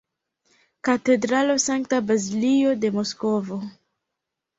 Katedralo Sankta Bazilio de Moskvo.